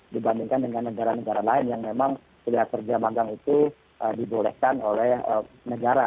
dibandingkan dengan negara negara lain yang memang kuliah kerja magang itu dibolehkan oleh negara